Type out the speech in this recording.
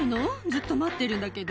ずっと待ってるんだけど」